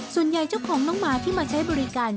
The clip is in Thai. ส่วนใหญ่เจ้าของน้องหมาที่มาใช้บริการ